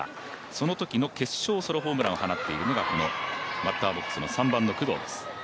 そのときの決勝ソロホームランを放っているのがこのバッターボックスの３番の工藤です。